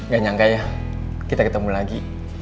gak nyangka ya kita ketemu lagi